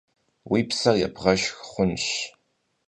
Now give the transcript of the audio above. Уи псэр ебгъэшх хъунщ.